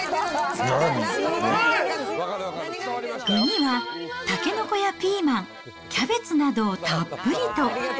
具には、タケノコやピーマン、キャベツなどをたっぷりと。